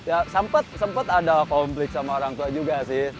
ya sempat ada konflik sama orang tua juga sih